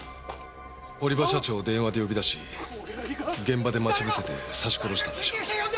堀場社長を電話で呼び出し現場で待ち伏せて刺し殺したんでしょう。